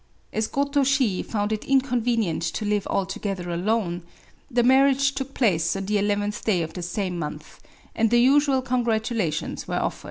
As Goto Shi found it incon venient to live altogether alone, the marriage took place on the eleventh day of the same month ; and the usual con* gratulations were offered.